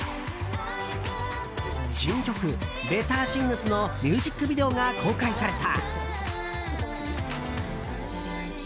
新曲「ＢｅｔｔｅｒＴｈｉｎｇｓ」のミュージックビデオが公開された。